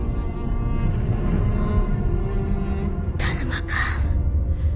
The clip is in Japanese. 田沼か？